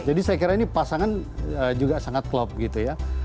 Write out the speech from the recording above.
jadi saya kira ini pasangan juga sangat klop gitu ya